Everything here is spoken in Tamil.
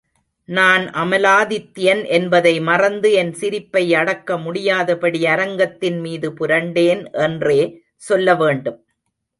நான் அமலாதித்யன் என்பதை மறந்து என் சிரிப்பை அடக்க முடியாதபடி அரங்கத்தின்மீது புரண்டேன் என்றே சொல்ல வேண்டும்.